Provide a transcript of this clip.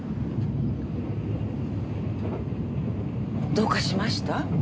どうかしました？